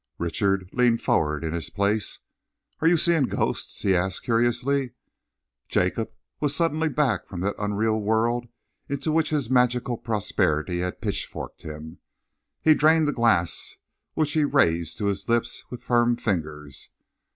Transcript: Richard leaned forward in his place. "Are you seeing ghosts?" he asked curiously. Jacob was suddenly back from that unreal world into which his magical prosperity had pitchforked him. He drained the glass which he raised to his lips with firm fingers.